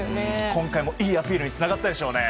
今回も、いいアピールにつながったでしょうね。